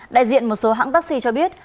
đại diện một số hãng taxi cho biết